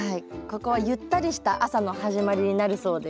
ここはゆったりした朝の始まりになるそうです。